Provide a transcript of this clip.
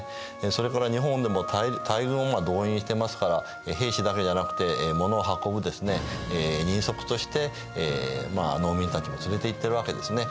それから日本でも大軍を動員していますから兵士だけじゃなくて物を運ぶですね人足としてまあ農民たちも連れていってるわけですね。